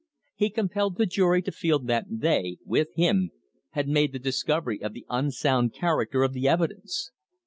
He compelled the jury to feel that they, with him, had made the discovery of the unsound character of the evidence.